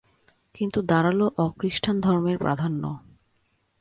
কিন্তু দাঁড়াল অ-খ্রীষ্টান ধর্মের প্রাধান্য।